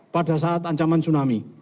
pada saat ancaman tsunami